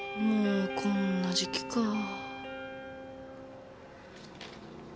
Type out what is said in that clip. もうこんな時期か。